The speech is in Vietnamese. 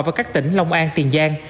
và các tỉnh long an tiền giang